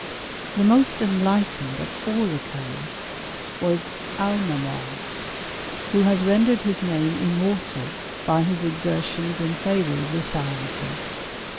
The most enlightened of all the califs was Alma men, who has rendered his name immortal by his exertions in favour of the sciences.